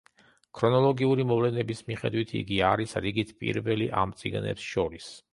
ქრონოლოგიური მოვლენების მიხედვით იგი არის რიგით პირველი ამ წიგნებს შორის.